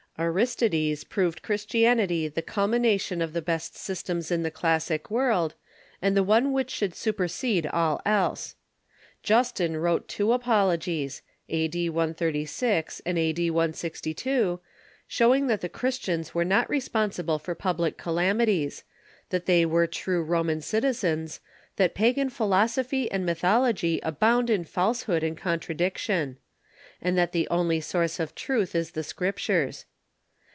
Aristides proved Christianity the culmination of the best systems in the classic world, and the one which should supersede all else. Justin wrote two apologies (a.d. 13G and a.d. 162), showing that the Christians were not responsible for public calamities; that they were true Roman citizens; that pagan philosophy and mythology abound in falsehood and contradiction; and that the only source of truth is the Scriptures.